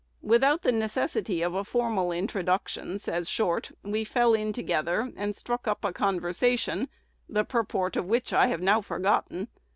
"Without the necessity of a formal introduction," says Short, "we fell in together, and struck up a conversation, the purport of which I have now forgotten.